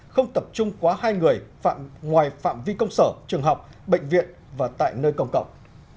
không tập trung quá hai người ngoài phạm vi công sở trường học bệnh viện và tại nơi công cộng